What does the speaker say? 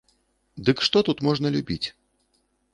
Дык што тут можна любіць?